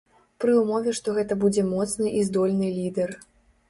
Пры ўмове што гэта будзе моцны і здольны лідэр.